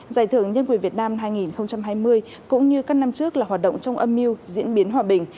giải thưởng nhân quyền việt nam hai nghìn hai mươi cũng như các năm trước là hoạt động trong âm mưu diễn biến hòa bình